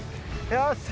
よし！